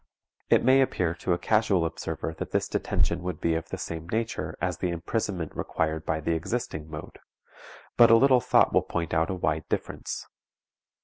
It may appear to a casual observer that this detention would be of the same nature as the imprisonment required by the existing mode, but a little thought will point out a wide difference.